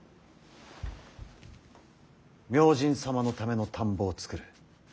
「明神様のための田んぼを作る。